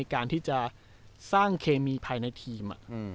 การที่จะสร้างเคมีภายในทีม